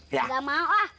enggak mau ah